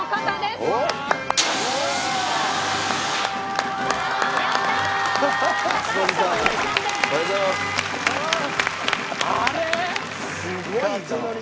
すごいな。